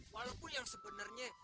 walaupun yang sebenernya